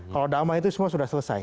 kalau damai itu semua sudah selesai